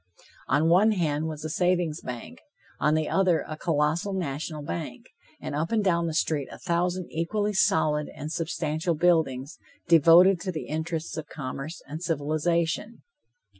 On one hand was a savings bank, on the other a colossal national bank, and up and down the street a thousand equally solid and substantial buildings, devoted to the interests of commerce and civilization.